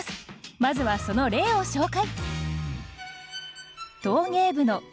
まずはその例を紹介。